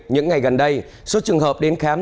những ngày gần đây số trường hợp đến khám